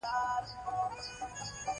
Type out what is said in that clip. پوخ عمل اثر لري